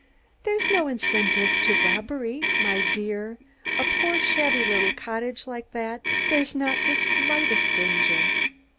There's no incentive to robbery, my dear a poor, shabby little cottage like that. There is not the slightest danger."